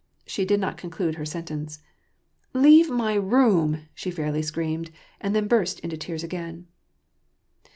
... She did not conclude her sentence. " Leave my room," she fairly screamed, and then burst into tears again.